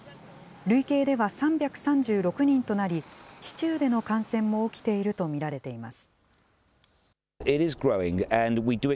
累計では３３６人となり、市中での感染も起きていると見られています。